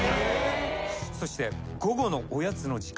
そして午後のおやつの時間。